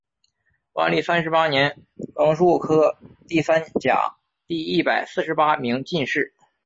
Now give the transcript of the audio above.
万历三十八年庚戌科第三甲第一百四十八名进士。